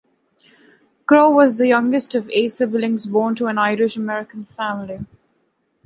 Crough was the youngest of eight siblings born to an Irish-American family.